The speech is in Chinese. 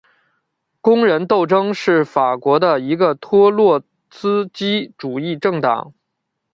工人斗争是法国的一个托洛茨基主义政党。